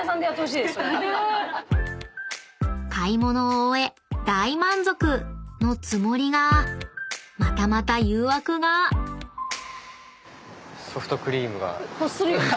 ［買い物を終え大満足！のつもりがまたまた誘惑が］欲するよ。